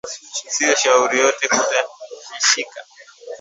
Sio shauri yote uta ishika